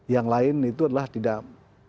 yang lain itu adalah tidak